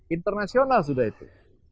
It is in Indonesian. internasional sudah itu